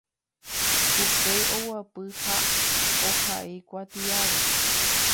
upéi oguapy ha ohai kuatiáre